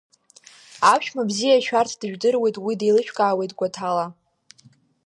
Аԥшәма бзиа шәарҭ дыжәдыруеит, уи деилышәкаауеит гәаҭала.